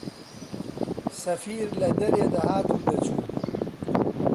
سەفیر لە دەرێ دەهات و دەچوو